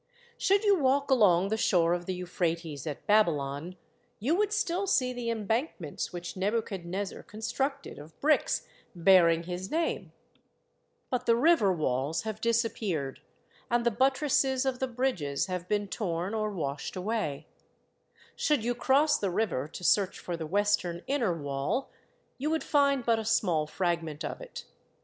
Should you walk along the shore of the Eu phrates at Babylon, you would still see the em bankments which Nebuchadnezzar constructed of bricks bearing his name, but the river walls have u ctf 13 N N 0> d T3 rt J3 o ^2 0> o THE WALLS OF BABYLON 77 disappeared, and the buttresses of the bridges have been torn or washed away. Should you cross the river to search for the western inner wall, you would find but a small fragment of it.